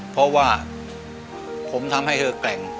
เพราะว่าผมทำให้เธอแกร่ง